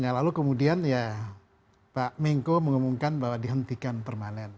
nah lalu kemudian ya pak mengko mengumumkan bahwa dihentikan permanen